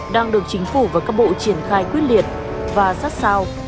đang được chính phủ và các bộ triển khai quyết liệt và sát sao